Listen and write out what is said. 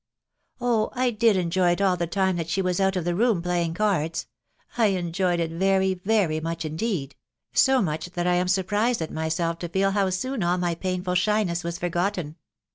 " Oh ! I did epjoy 'it. all the time . that she was out of ihe room, playing cards ; I. enjoyed it very, very jnuch indeed .... so much that I am surprised.at myself to feel how soon all my painful shyness was forgotten.